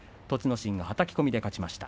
心がはたき込みで勝ちました。